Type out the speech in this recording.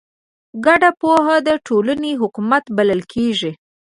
ګډه پوهه د ټولنې حکمت بلل کېږي.